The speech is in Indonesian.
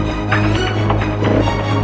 kalo berani jalan sama cewek